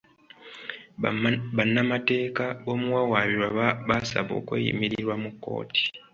Bannamateeka b'omuwawaabirwa baasaba okweyimirirwa mu kkooti.